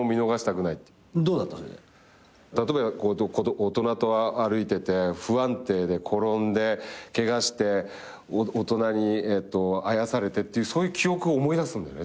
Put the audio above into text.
大人と歩いてて不安定で転んでケガして大人にあやされてっていうそういう記憶を思い出すんだよね。